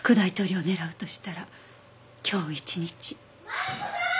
マリコさーん！